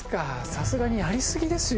さすがにやりすぎですよ